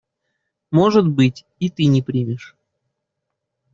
Может быть, и ты не примешь.